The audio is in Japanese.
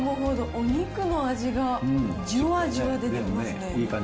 かめばかむほど、お肉の味が、じゅわじゅわ出てきますね。